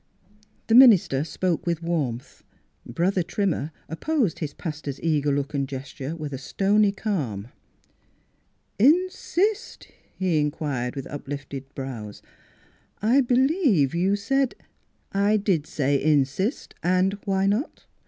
The minister spoke with warmth; Brother Trimmer opposed his pastor's eager look and gesture with a stony calm. Miss Philura's Wedding Gown "Insist?" he inquired with uplifted brows. " I believe you said —"" I did say insist, and why not?